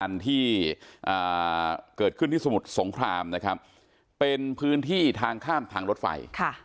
ยี่สมุทรสงครามเป็นพื้นที่ทางข้างรถไฟ